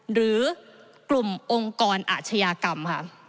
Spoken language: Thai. หรือกลุ่มองค์กรอาชญากรรมค่ะ